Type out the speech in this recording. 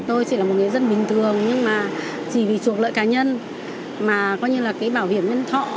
tôi chỉ là một người dân bình thường nhưng mà chỉ vì trục lợi cá nhân mà coi như là cái bảo hiểm nhân thọ